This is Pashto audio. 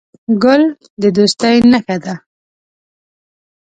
ګل د دوستۍ نښه ده.